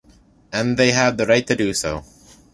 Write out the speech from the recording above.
And they have the right to do so.